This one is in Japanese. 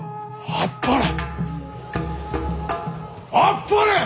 あっぱれ。